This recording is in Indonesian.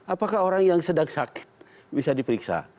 apakah orang yang sedang sakit bisa diperiksa